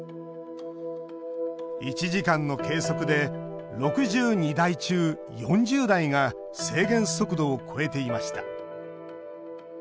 １時間の計測で６２台中４０台が制限速度を超えていました。